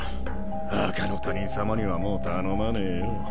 赤の他人さまにはもう頼まねえよ。